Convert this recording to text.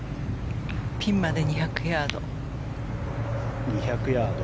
ピンまで２００ヤード。